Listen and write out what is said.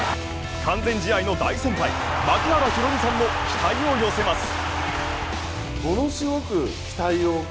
完全試合の大先輩、槙原寛己さんも期待を寄せます。